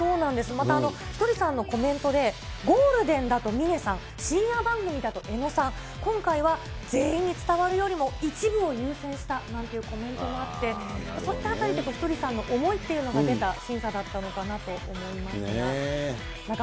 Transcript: また、ひとりさんのコメントで、ゴールデンだと峰さん、深夜番組だと江野さん、今回は全員に伝わるよりも一部を優先したなんていうコメントもあって、そういったあたりで、ひとりさんの思いっていうのが出た審査だったのかなと思いました。